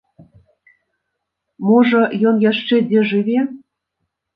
Можа, ён яшчэ дзе жыве?